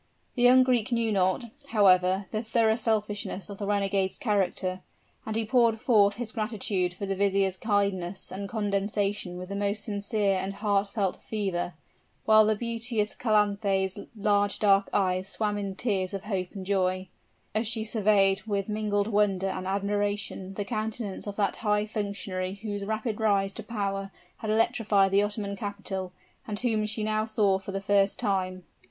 The young Greek knew not, however, the thorough selfishness of the renegade's character; and he poured forth his gratitude for the vizier's kindness and condescension with the most sincere and heart felt fervor: while the beauteous Calanthe's large dark eyes swam in tears of hope and joy, as she surveyed with mingled wonder and admiration the countenance of that high functionary whose rapid rise to power had electrified the Ottoman capital, and whom she now saw for the first time.